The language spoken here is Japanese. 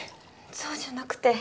そうじゃなくて。